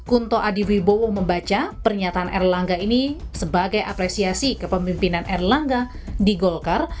kunto adiwibowo membaca pernyataan erlangga ini sebagai apresiasi kepemimpinan erlangga di golkar